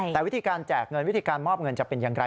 แต่วิธีการแจกเงินวิธีการมอบเงินจะเป็นอย่างไร